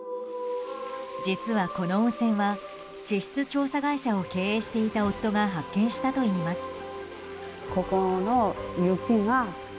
実は、この温泉は地質調査会社を経営していた夫が発見したといいます。